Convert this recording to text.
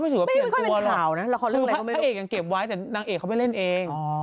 แต่นางเอกเขาไม่เล่นเอง